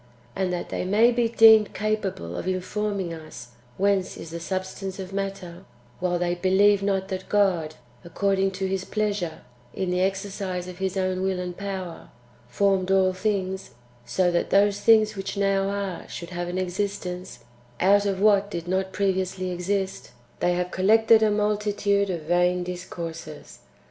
And that they may be deemed capable of informing us whence is the substance of matter, while they believe not that God, according to His pleasure, in the exercise of His own will and power, formed all things (so that those things which now are should have an existence) out of what did not previously exist, they have collected [a multitude of] vain discourses.